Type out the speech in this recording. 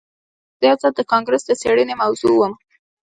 زه یو ځل د کانګرس د څیړنې موضوع وم